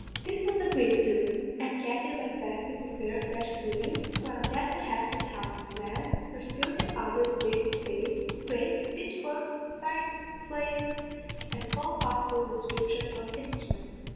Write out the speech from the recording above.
"This was agreed to, and Katty went back to prepare a fresh pudden, while Jack an' half the townland pursued the other wid spades, graips, pitchforks, scythes, flails, and all possible description of instruments.